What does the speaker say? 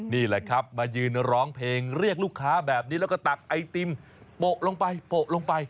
นี่แหละครับมายืนร้องเพลงเรียกลูกค้าแบบนี้แล้วก็ตักไอติมโปะลงไปโปะลงไป